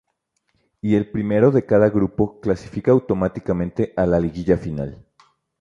Y el primero de cada grupo clasifica automáticamente a la liguilla final.